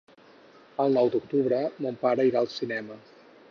El nou d'octubre mon pare irà al cinema.